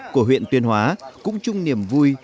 của huyện tuyên hóa cũng chung niềm vui